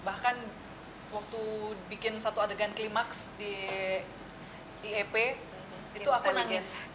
bahkan waktu bikin satu adegan klimaks di iep itu aku nangis